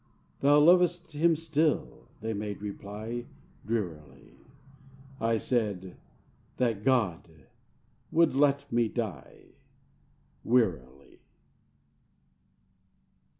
"Thou lov'st him still," they made reply, Drearily. I said, "That God would let me die!" (Wearily.)